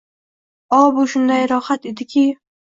O, bu shunday rohat ediki